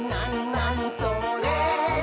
なにそれ？」